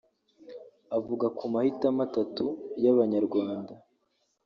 Avuga ku mahitamo atatu y’ Abanyarwanda